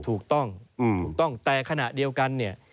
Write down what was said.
ถูกต้องถูกต้องแต่ขณะเดียวกันเนี่ย